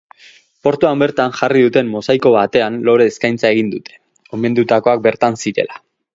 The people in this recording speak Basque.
Portuan bertan jarri duten mosaiko batean lore-eskaintza egin dute, omendutakoak bertan zirela.